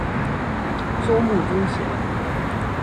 松木宗显。